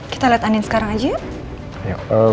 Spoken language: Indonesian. kita lihat anin sekarang aja ya